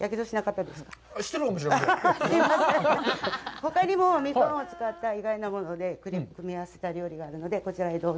ほかにもミカンを使った意外なもので組み合わせた料理があるのでこちらへどうぞ。